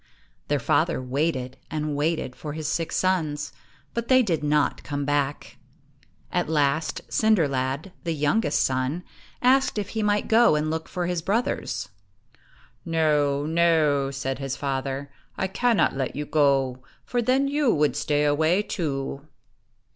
Their father waited and waited for his six sons, but they did not come back. At last, Cinder lad, the youngest son, asked if he might go and look for his brothers. "No, no," said his father; "I cannot let you go, for then you would stay away too."